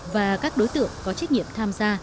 và các đối tượng có trách nhiệm tham gia